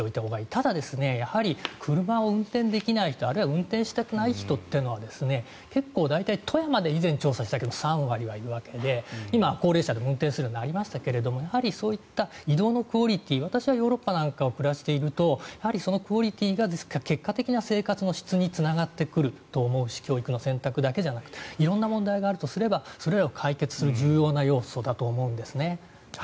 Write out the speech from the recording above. ただやはり、車を運転できない人あるいは運転したくない人は結構、大体富山で以前調査したけど３割はいるわけで今、高齢者でも運転するようになりましたがそういった移動のクオリティー私はヨーロッパなんかで暮らしているとやはりそのクオリティーが結果的な生活の質につながってくると思うし教育の選択だけじゃなくて色んな問題があるとすればそれらを解決する重要な要素だと思うんですね。